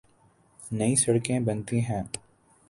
نئی سڑکیں بنتی ہیں۔